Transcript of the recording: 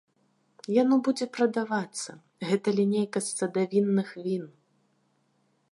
Яно будзе прадавацца, гэта лінейка з садавінных він.